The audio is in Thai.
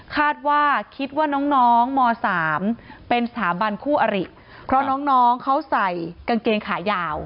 คิดว่าคิดว่าน้องน้องม๓เป็นสถาบันคู่อริเพราะน้องน้องเขาใส่กางเกงขายาว